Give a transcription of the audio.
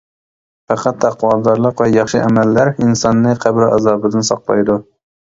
پەقەت تەقۋادارلىق ۋە ياخشى ئەمەللەر ئىنساننى قەبرە ئازابىدىن ساقلايدۇ.